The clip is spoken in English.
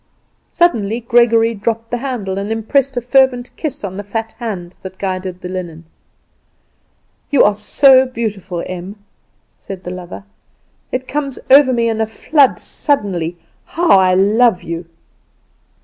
Suddenly Gregory dropped the handle, and impressed a fervent kiss on the fat hand that guided the linen. "You are so beautiful, Em," said the lover. "It comes over me in a flood suddenly how I love you."